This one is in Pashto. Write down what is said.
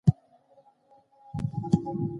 په ټولنه کې ښو کارونه د خلکو د امنيت سبب دي.